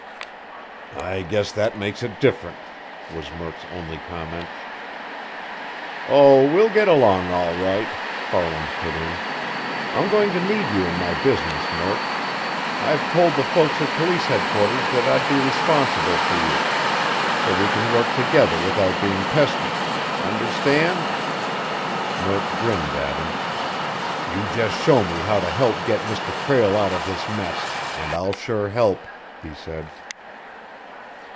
"I guess that makes it different," was Murk's only comment. "Oh, we'll get along all right," Farland put in. "I'm going to need you in my business, Murk. I've told the folks at police headquarters that I'd be responsible for you, so we can work together without being pestered. Understand?" Murk grinned at him. "You just show me how to help get Mr. Prale out of this mess, and I'll sure help," he said.